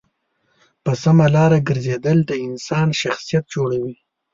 په سمه لاره گرځېدل د انسان شخصیت جوړوي.